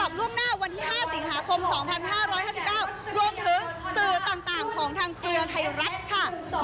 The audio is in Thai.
รวมถึงสื่อต่างของทางเครือไทยรัฐค่ะ